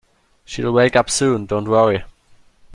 She’ll wake up soon, don't worry